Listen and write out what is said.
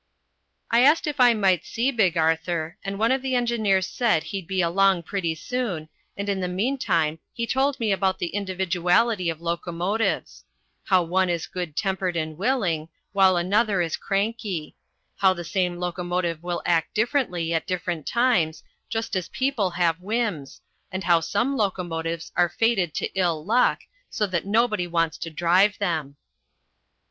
I asked if I might see Big Arthur, and one of the engineers said he'd be along pretty soon, and in the meantime he told me about the individuality of locomotives: how one is good tempered and willing, while another is cranky; how the same locomotive will act differently at different times, just as people have whims, and how some locomotives are fated to ill luck, so that nobody wants to drive them.